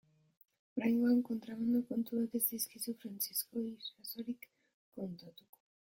Oraingoan kontrabando kontuak ez dizkigu Frantzisko Irazokik kontatuko.